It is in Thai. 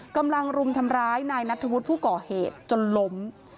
รุมทำร้ายนายนัทธวุฒิผู้ก่อเหตุจนล้ม